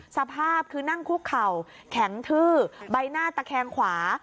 สภาพคือนั่งคุกเข่าแข็งทื้อใบหน้าตะแคงขวา